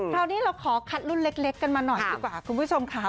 คราวนี้เราขอคัดรุ่นเล็กกันมาหน่อยดีกว่าคุณผู้ชมค่ะ